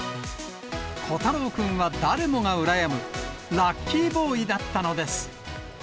虎太郎君は誰もが羨むラッキーボーイだったのです。